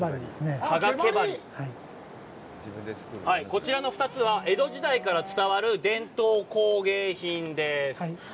こちらの２つは江戸時代から伝わる伝統工芸品です。